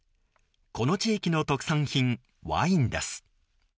この地域の特産品、ワインです。